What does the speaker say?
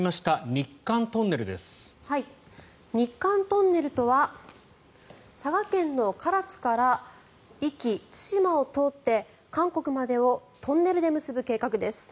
日韓トンネルとは佐賀県の唐津から壱岐、対馬を通って韓国までをトンネルで結ぶ計画です。